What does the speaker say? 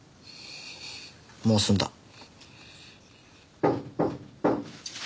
もう済んだ。